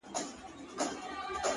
• چي هر څو یې مخ پر لوړه کړه زورونه ,